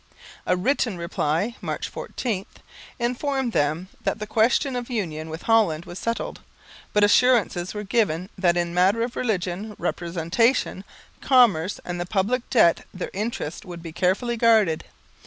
A written reply (March 14) informed them that the question of union with Holland was settled, but assurances were given that in matters of religion, representation, commerce and the public debt their interests would be carefully guarded.